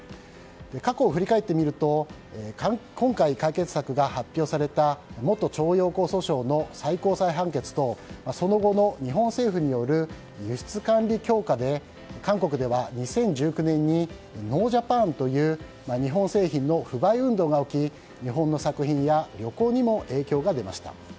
過去を振り返ってみると今回、解決策が発表された元徴用工訴訟の最高裁判決とその後の日本政府による輸出管理強化で韓国では、２０１９年にノージャパンという日本製品の不買運動が起き日本の作品や旅行にも影響が出ました。